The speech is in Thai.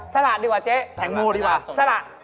สละดีกว่าเจ๊